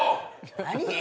何？